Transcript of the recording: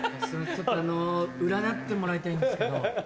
あの占ってもらいたいんですけど。